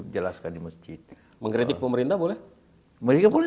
mengkritik pemerintah boleh